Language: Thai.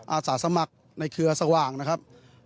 อาสาสมัครในเครือสว่างนะครับ